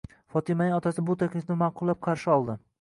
Fotimanin otasi bu taklifni ma'qullab qarshi oldi.